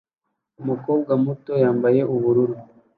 Umukobwa muto yambaye ubururu